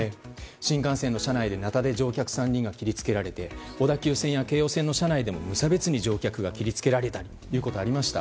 新幹線の車内でなたで乗客３人が切りつけられて小田急線や京王線の車内でも無差別に乗客が切り付けられたことがありました。